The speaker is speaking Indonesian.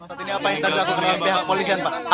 apa yang saat ini sedang dilakukan oleh pihak kepolisian pak